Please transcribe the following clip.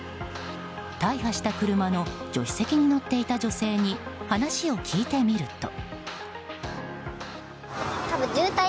大破した車の助手席に乗っていた女性に話を聞いてみると。